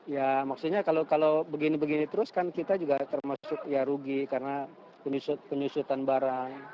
ya maksudnya kalau begini begini terus kan kita juga termasuk ya rugi karena penyusutan barang